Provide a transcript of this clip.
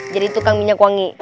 jadi tukang minyak wangi